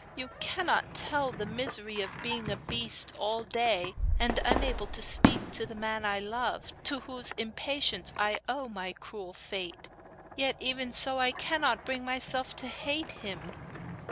You cannot tell the misery of being a beast all the day, and unable to speak to the man I love, to whose impatience I owe my cruel fate. Yet, even so, I cannot bring myself to hate him.